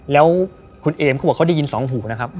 แล้วคุณเอมเขาบอกเขาได้ยินสองหูนะครับ